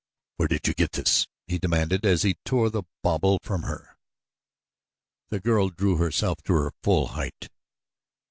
"Where did you get this?" he demanded, as he tore the bauble from her. The girl drew herself to her full height.